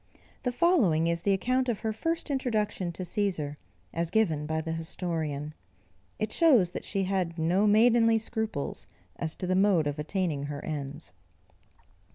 The following is the account of her first introduction to Cæsar, as given by the historian. It shows that she had no maidenly scruples as to the mode of attaining her ends.